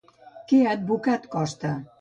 Què ha advocat Costa?